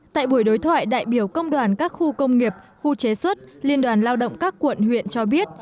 tại buổi đối thoại đại biểu công đoàn các khu công nghiệp khu chế xuất liên đoàn lao động các quận huyện cho biết